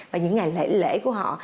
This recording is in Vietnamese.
và những ngày lễ lễ của họ